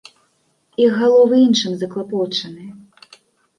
Іх галовы іншым заклапочаны.